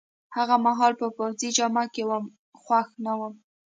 هغه مهال په پوځي جامه کي وم، خوښ نه وم.